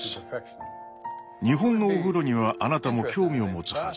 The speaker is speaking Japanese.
日本のお風呂にはあなたも興味を持つはず。